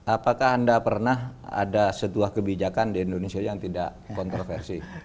apakah anda pernah ada setuah kebijakan di indonesia yang tidak kontroversi